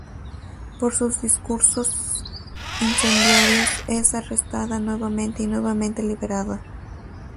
Por sus discursos incendiarios es arrestada nuevamente y nuevamente liberada.